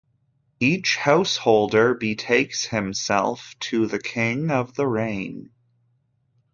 Each householder betakes himself to the King of the Rain.